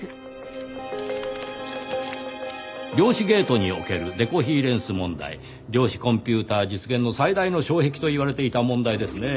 「量子ゲートにおけるデコヒーレンス問題」量子コンピューター実現の最大の障壁と言われていた問題ですねぇ。